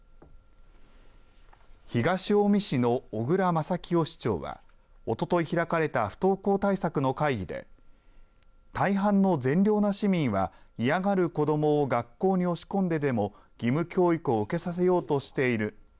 東近江市の小椋正清市長はおととい開かれた不登校対策の会議で大半の善良な市民は嫌がる子どもを学校に押し込んででも義務教育を受けさせようとしている。